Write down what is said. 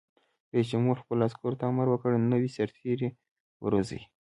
رئیس جمهور خپلو عسکرو ته امر وکړ؛ نوي سرتېري وروزیئ!